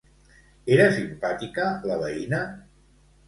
Era simpàtica la veïna?